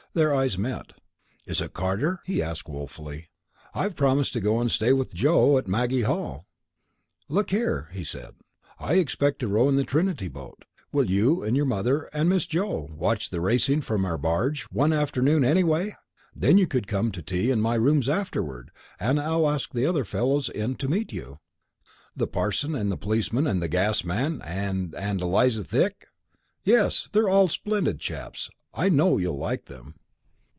Their eyes met. "Is it Carter?" he asked, woefully. "I've promised to go and stay with Joe at Maggie Hall." "Look here," he said. "I expect to row in the Trinity boat. Will you and your mother and and Miss Joe watch the racing from our barge, one afternoon anyway? Then you could come to tea in my rooms afterward, and I'll ask the other fellows in to meet you." "The parson and the policeman and the gas man, and and Eliza Thick?" "Yes. They're all splendid chaps, I know you'll like them."